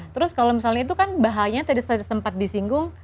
terus kalau misalnya itu kan bahaya tadi sempat disinggung